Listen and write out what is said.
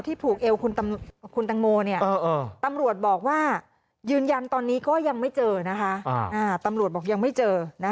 ที่ถูกเอลคุณตางโมตำรวจบอกว่ายืนยันตอนนี้ก็ยังไม่เจอ